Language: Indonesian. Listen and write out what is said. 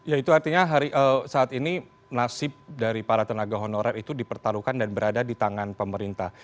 ya itu artinya saat ini nasib dari para tenaga honorer itu dipertaruhkan dan berada di tangan pemerintah